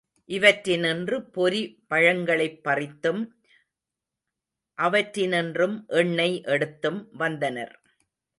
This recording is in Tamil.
இவற்றினின்று பொரி பழங்களைப் பறித்தும், அவற்றினின்றும் எண்ணெய் எடுத்தும் வந்தனர்.